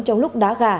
trong lúc đá gà